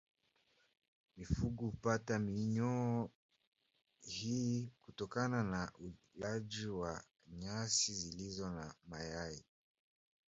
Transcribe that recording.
Mifugo hupata minyoo hii kutokana na ulaji wa nyasi zilizo na mayai